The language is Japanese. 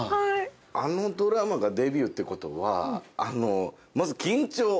あのドラマがデビューってことはまず緊張。